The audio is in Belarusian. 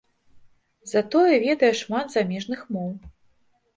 Затое ведае шмат замежных моў.